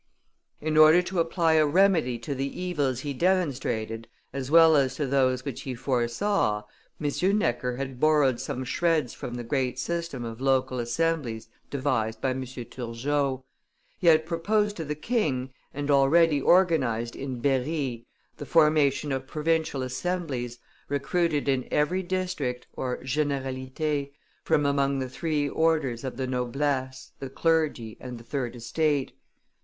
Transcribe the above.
In order to apply a remedy to the evils he demonstrated as well as to those which he foresaw, M. Necker had borrowed some shreds from the great system of local assemblies devised by M. Turgot; he had proposed to the king and already organized in Berry the formation of provincial assemblies, recruited in every district (generalite) from among the three orders of the noblesse, the clergy, and the third estate.